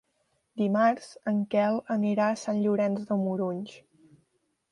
Dimarts en Quel anirà a Sant Llorenç de Morunys.